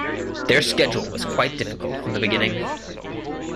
Their schedule was quite difficult from the beginning.